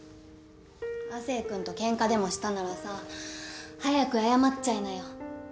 亜生くんと喧嘩でもしたならさ早く謝っちゃいなよ。